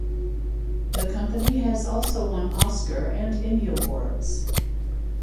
The company has also won Oscar and Emmy awards.